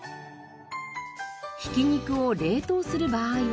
ひき肉を冷凍する場合は。